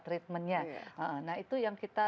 treatmentnya nah itu yang kita